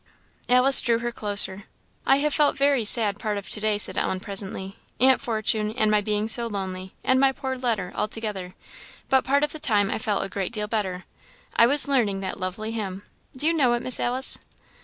Alice drew her closer. "I have felt very sad part of to day," said Ellen, presently; "Aunt Fortune, and my being so lonely, and my poor letter, altogether; but part of the time I felt a great deal better. I was learning that lovely hymn do you know it, Miss Alice?